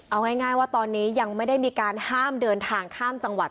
เอาง่ายว่าตอนนี้ยังไม่ได้มีการห้ามเดินทางข้ามจังหวัด